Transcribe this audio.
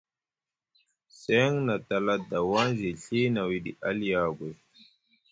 Seŋ na a tala dawaŋ zi Ɵi na wiɗi aliogoy.